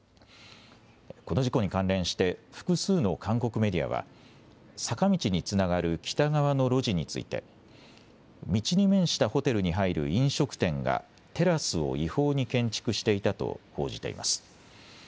この事故に関連して、複数の韓国メディアは、坂道につながる北側の路地について、道に面したホテルに入る飲食店が、テラスを違法に建築していたと報じています。